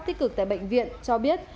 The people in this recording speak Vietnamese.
tích cực tại bệnh viện cho biết